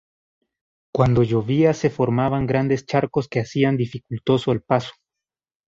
Cuando llovía se formaban grandes charcos que hacían dificultoso el paso.